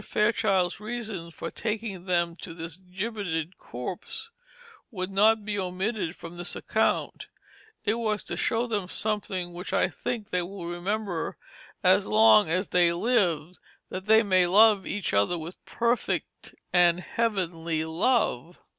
Fairchild's reason for taking them to this gibbeted corpse should not be omitted from this account; it was "to show them something which I think they will remember as long as they live, that they may love each other with perfect and heavenly love."